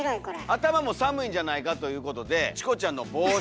頭も寒いんじゃないかということでチコちゃんの帽子。